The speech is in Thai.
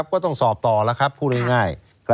ก็ต้องสอบต่อแล้วครับพูดง่าย